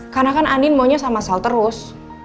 karena kan andin maunya sama sal terus